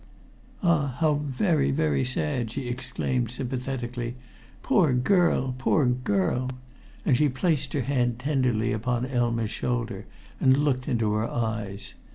"Ah, how very, very sad!" she exclaimed sympathetically. "Poor girl! poor girl!" and she placed her hand tenderly upon Elma's shoulder and looked into her eyes.